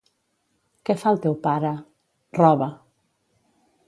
—Què fa el teu pare? —Roba.